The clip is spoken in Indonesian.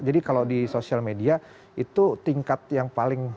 jadi kalau di social media itu tingkat yang paling